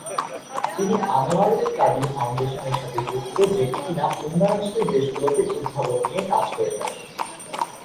তিনি আনোয়ারুল কাদির ফাউন্ডেশনের সাথেও যুক্ত যেটি কিনা উন্নয়নশীল দেশগুলোতে উদ্ভাবন নিয়ে কাজ করে থাকে।